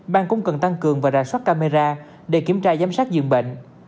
bang cũng cần tăng cường và rà soát camera để kiểm tra giám sát dường bệnh